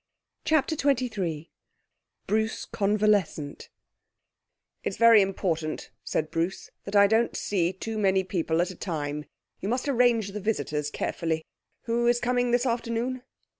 CHAPTER XXIII Bruce Convalescent 'It's very important,' said Bruce, 'that I don't see too many people at a time. You must arrange the visitors carefully. Who is coming this afternoon?'